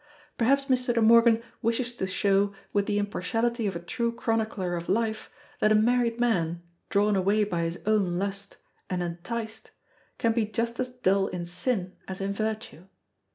Perhaps Mr. De Morgan wishes to show with the impartiality of a true chronicler of life that a married man, drawn away by his own lust, and enticed, can be just as dull in sin as in virtue.